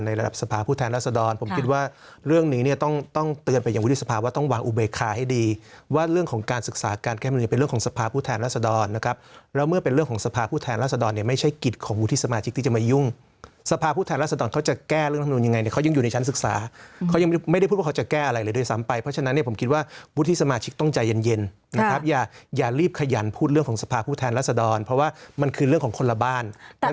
อย่างวิทยุสภาพว่าต้องวางอุเบคาให้ดีว่าเรื่องของการศึกษาการแก้มนุนเป็นเรื่องของสภาพผู้แทนรัฐสดรนะครับแล้วเมื่อเป็นเรื่องของสภาพผู้แทนรัฐสดรเนี่ยไม่ใช่กฤทธิ์ของวิทยุสมาชิกที่จะมายุ่งสภาพผู้แทนรัฐสดรเขาจะแก้เรื่องนี้ยังไงเขายังอยู่ในชั้นศึกษาเขายังไม่ได้พูดว่าเขาจะ